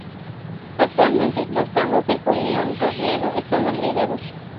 Actualmente los tangos de Julián Robledo están olvidados.